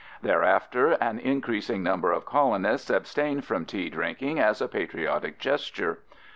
Thereafter, an increasing number of colonists abstained from tea drinking as a patriotic gesture.